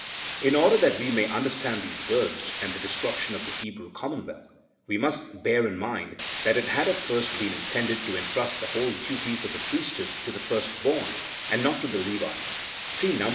In order that we may understand these words, and the destruction of the Hebrew commonwealth, we must bear in mind that it had at first been intended to entrust the whole duties of the priesthood to the firstborn, and not to the Levites (see Numb.